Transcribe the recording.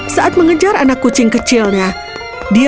saat mengejar anak kucing kecilnya dia mencapai ruang aula